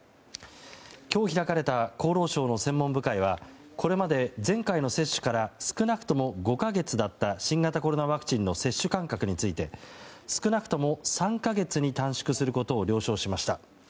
今日開かれた厚労省の専門部会はこれまで前回の接種から少なくとも５か月だった新型コロナワクチンの接種間隔について少なくとも３か月に短縮することを了承しました。